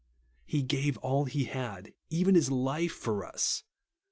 He gave all he had, even his life, for us.